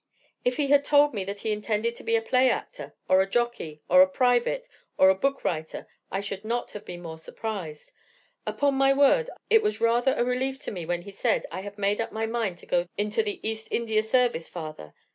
"If he had told me that he intended to be a play actor, or a Jockey, or a private, or a book writer, I should not have been surprised. Upon my word, it was rather a relief to me when he said, 'I have made up my mind to go into the East India Service, father.